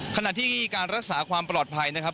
ขณะที่การรักษาความปลอดภัยนะครับ